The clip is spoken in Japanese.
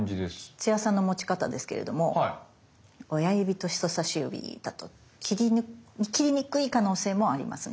土屋さんの持ち方ですけれども親指と人さし指だと切りにくい可能性もありますね。